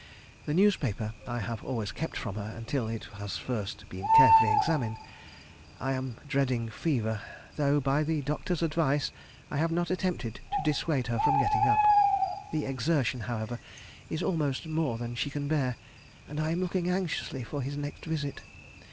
The newspaper I have always kept from her until it has first been carefully examined. I am dreading fever, though by the doctor's advice I have not attempted to dissuade her from getting up. The exertion, however, is almost more than she can bear, and I am looking anxiously for his next visit.